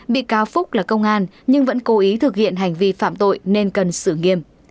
bị cáo phúc là công an nhưng vẫn cố ý thực hiện hành vi phạm tội nên cần xử nghiêm